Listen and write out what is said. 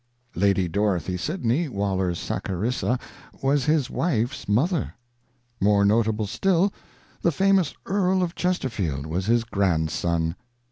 Lady Dorothy Sidney, Waller's ' Sacharissa ', was his wife's mother. More notable still, the famous Earl of Chesterfield was his grandson.